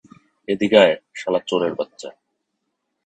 এদিকে আয়, শালা চোরের বাচ্চা!